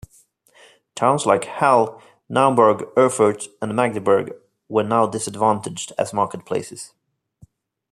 Towns like Halle, Naumburg, Erfurt, and Magdeburg were now disadvantaged as marketplaces.